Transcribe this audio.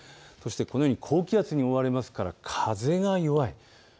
そしてこのように高気圧に覆われますから風が弱い。